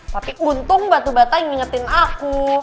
tapi untung batu bata yang ngingetin aku